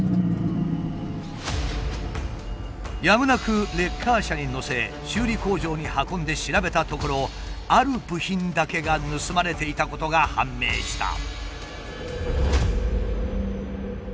やむなくレッカー車に載せ修理工場に運んで調べたところある部品だけが盗まれていたことが判明した。